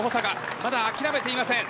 まだ、あきらめていません。